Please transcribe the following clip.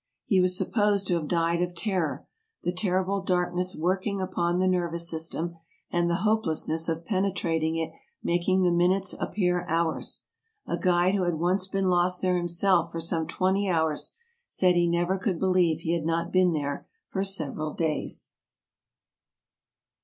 He was supposed to have died of ter ror, the terrible darkness working upon the nervous system, and the hopelessness of penetrating it making the minutes appear hours. A guide who had once been lost there him self for some twenty hours, said he never could believe he had not been there for several days.